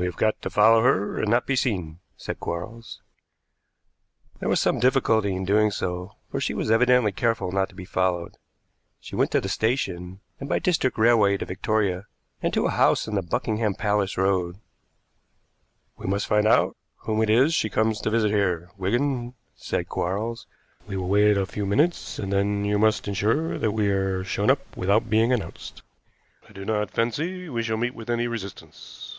"We have got to follow her and not be seen," said Quarles. There was some difficulty in doing so, for she was evidently careful not to be followed. She went to the station, and by District Railway to Victoria, and to a house in the Buckingham Palace Road. "We must find out whom it is she comes to visit here, Wigan," said Quarles. "We will wait a few minutes, and then you must insure that we are shown up without being announced. I do not fancy we shall meet with any resistance."